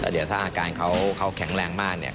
เดี๋ยวถ้าอาการเขาแข็งแรงมากเนี่ย